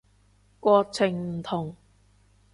國情唔同